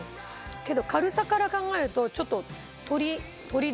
けど軽さから考えるとちょっと。